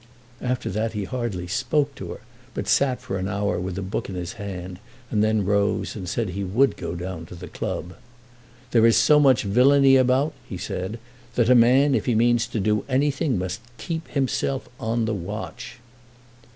After that he hardly spoke to her; but sat for an hour with a book in his hand, and then rose and said that he would go down to the club. "There is so much villainy about," he said, "that a man if he means to do anything must keep himself on the watch."